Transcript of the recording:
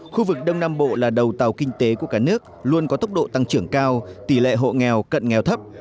khu vực đông nam bộ là đầu tàu kinh tế của cả nước luôn có tốc độ tăng trưởng cao tỷ lệ hộ nghèo cận nghèo thấp